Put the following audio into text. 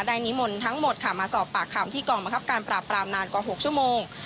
นิมนต์ทั้งหมดค่ะมาสอบปากคำที่กองบังคับการปราบปรามนานกว่า๖ชั่วโมง